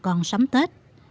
con sắm tết